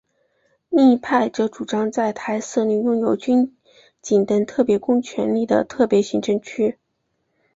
另一派则主张在台设立拥有军警等特别公权力的特别行政区。